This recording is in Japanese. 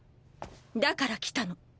だから来たの。